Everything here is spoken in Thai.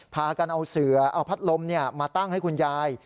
พากันเอาเสือเอาพัดลมมาตั้งให้คุณยาย